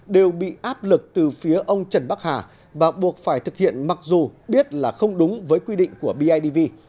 đều bị áp lực từ phía ông trần bắc hà và buộc phải thực hiện mặc dù biết là không đúng với quy định của bidv